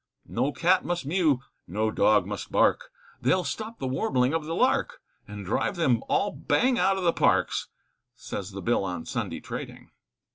No cat must mew, no dog must bark, They'll stop the warbling of the lark, And drive them all bang out of the parks, Says the Bill on Sunday trading.